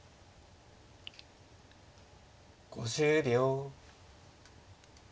５０秒。